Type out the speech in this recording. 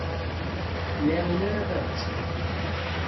Ur iɛawen ara baba-s.